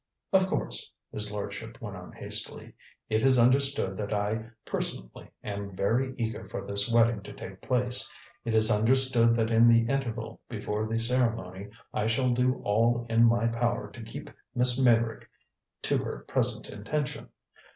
"Of course," his lordship went on hastily, "it is understood that I personally am very eager for this wedding to take place. It is understood that in the interval before the ceremony I shall do all in my power to keep Miss Meyrick to her present intention.